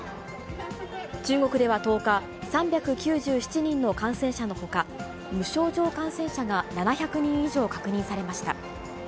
中国では１０日、３９７人の感染者のほか、無症状感染者が７００人以上確認されました。